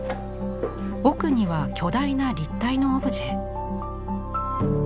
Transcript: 奥には巨大な立体のオブジェ。